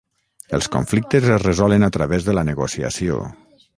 Els conflictes es resolen a través de la negociació.